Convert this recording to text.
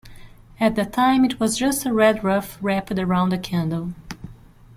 At that time it was just a red ruff wrapped around a candle.